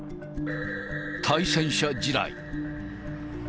対戦車地雷。